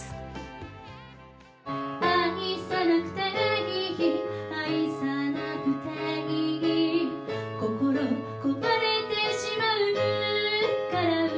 「愛さなくていい愛さなくていい」「心壊れてしまうから失った」